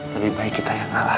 lebih baik kita yang ngalah